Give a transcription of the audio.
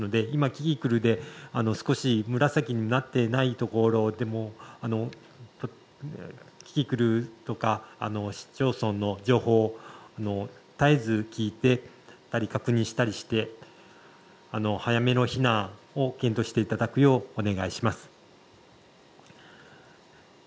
キキクルで紫になっていない所でもキキクルとか市町村の情報を絶えず聞いて確認したりして早めの避難を検討していただくようお願いします。